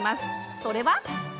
それは。